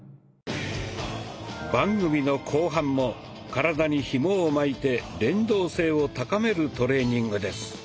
番組の後半も体にひもを巻いて連動性を高めるトレーニングです。